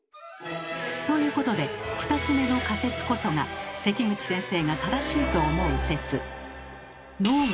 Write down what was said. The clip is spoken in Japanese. ということで２つ目の仮説こそが関口先生が正しいと思う説。